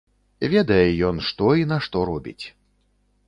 Ведае ён, што і нашто робіць.